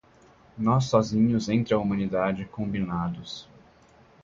Nós sozinhos, entre a humanidade, combinados